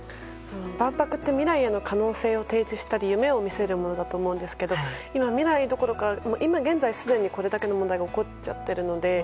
万博って未来への可能性を提示したり夢を見せるものだと思うんですけど今、未来どころか今現在、すでにこれだけの問題が起こっちゃっているので。